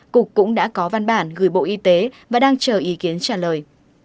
cục cũng đã có văn bản gửi bộ y tế và đang chờ ý kiến trả lời